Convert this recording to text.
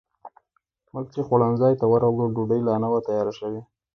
موږ چې خوړنځای ته ورغلو، ډوډۍ لا نه وه تیاره شوې.